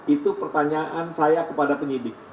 itu pertanyaan saya kepada penyidik